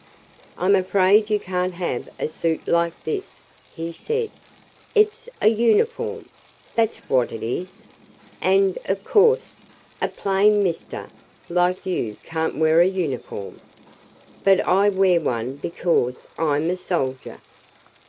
"I'm afraid you can't have a suit like this," he said. "It's a uniform that's what it is. And, of course, a plain Mister like you can't wear a uniform. But I wear one because I'm a soldier."